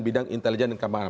bidang intelijen dan kembang